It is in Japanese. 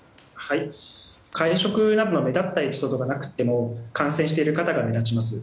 会食などの目立ったエピソードがなくても感染している方が目立ちます。